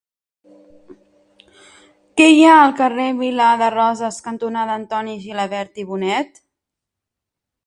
Què hi ha al carrer Vila de Roses cantonada Antoni Gilabert i Bonet?